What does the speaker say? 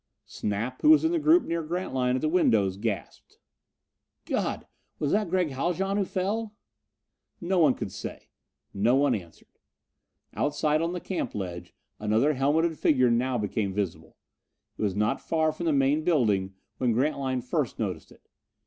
Snap, who was in the group near Grantline at the windows, gasped. "God! Was that Gregg Haljan who fell?" No one could say. No one answered. Outside, on the camp ledge, another helmeted figure now became visible. It was not far from the main building when Grantline first noticed it.